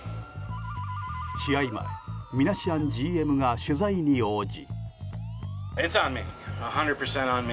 試合前、ミナシアンＧＭが取材に応じ。